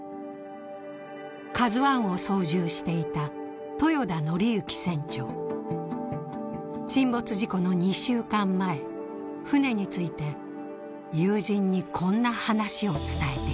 ＫＡＺＵⅠを操縦していた沈没事故の２週間前船について友人にこんな話を伝えていた。